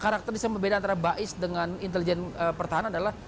karakteris yang berbeda antara bais dengan intelijen pertahanan adalah